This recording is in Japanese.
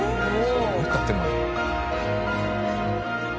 すごい建物。